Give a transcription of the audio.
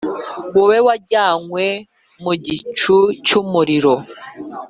wowe wajyanywe mu gicu cy’umuriro,